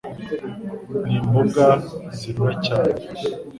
Ni Imboga zirura cyane